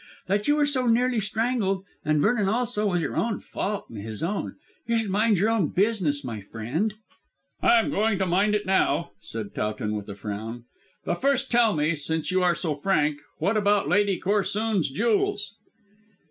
That you were so nearly strangled, and Vernon also, was your own fault and his own. You should mind your own business, my friend." "I am going to mind it now," said Towton with a frown; "but first tell me, since you are so frank, what about Lady Corsoon's jewels?"